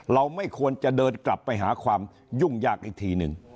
เราไม่ควรจะเดินกลับไปหาความยุ่งยากอีกทีหนึ่ง